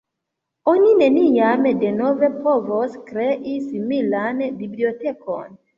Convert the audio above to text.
Oni neniam denove povos krei similan bibliotekon.